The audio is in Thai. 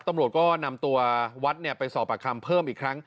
ตำรวจก็นำตัววัดไปสอบปากคำเพิ่มอีกครั้ง